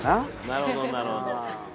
なるほどなるほど。